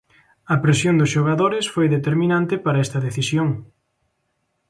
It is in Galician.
A presión dos xogadores foi determinante para esta decisión.